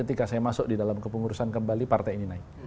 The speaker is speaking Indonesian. ketika saya masuk di dalam kepengurusan kembali partai ini naik